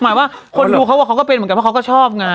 หมายว่าคนดูเขาบอกเขาก็เป็นเหมือนกันเพราะเขาก็ชอบไง